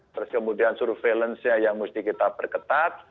terus kemudian surveillance nya yang mesti kita perketat